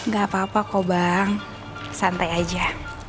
gak apa apa kok bang santai aja